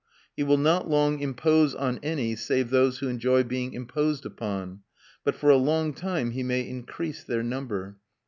He will not long impose on any save those who enjoy being imposed upon; but for a long time he may increase their number.